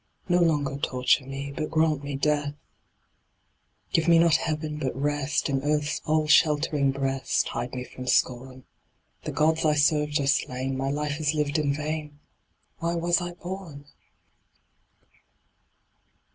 No longer torture me, But grant mc death. THE LAST DRUID. Give me not heaven, but rest ; In earth's all sheltering breast Hide me from scorn : The gods I served are slain ; My life is lived in vain ; Why was I born